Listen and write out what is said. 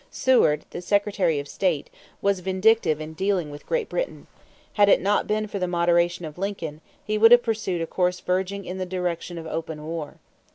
Seward, the Secretary of State, was vindictive in dealing with Great Britain; had it not been for the moderation of Lincoln, he would have pursued a course verging in the direction of open war.